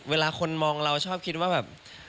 เวลาคนมองเราชอบคิดว่าแบบ